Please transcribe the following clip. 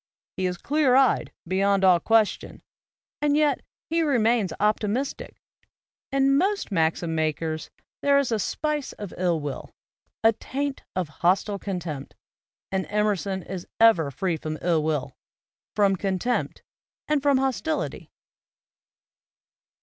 He is clear eyed, beyond all question, and yet he re mains optimistic. In most maxim makers there is a spice of ill will, a taint of hostile contempt; and Emerson is ever free from ill will, from con tempt and from hostility.